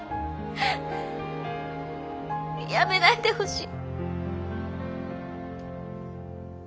やめないでほしい。